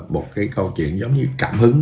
một cái câu chuyện giống như cảm hứng